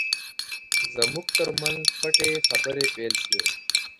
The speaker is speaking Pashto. زموږ ترمنځ پټې خبرې پیل شوې.